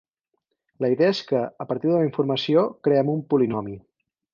La idea és que a partir d'una informació, creem un polinomi.